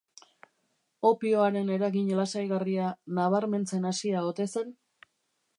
Opioaren eragin lasaigarria nabarmentzen hasia ote zen?